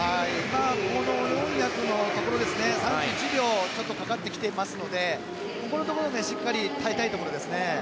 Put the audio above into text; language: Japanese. この４００ｍのところ３１秒ちょっとかかってきてますのでここのところしっかり耐えたいところですね。